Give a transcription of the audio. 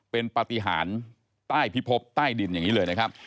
เป็นปฏิหารใต้พิพบใต้ดินอย่างนี้เลยนะครับ